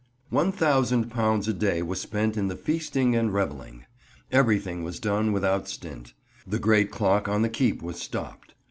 £1000 a day was spent in the feasting and revelling. Everything was done without stint. The great clock on the keep was stopped.